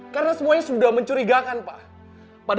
karena semua orang sudah mencurigakan pak